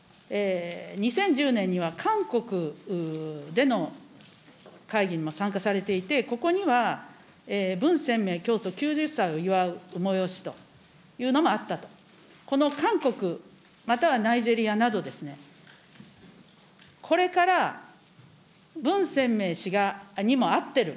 ２０１０年には韓国での会議にも参加されていて、ここには文鮮明教祖９０歳を祝う催しというのもあったと、この韓国、またはナイジェリアなどですね、これから文鮮明氏にも会ってる、